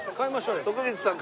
徳光さん